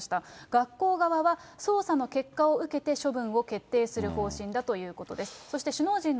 学校側は、捜査の結果を受けて、処分を決定する方針だということです。